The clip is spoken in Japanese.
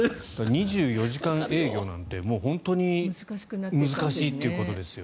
２４時間営業なんて本当に難しいということですよね。